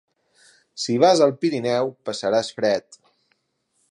Si vas al Pirineu passaràs fred.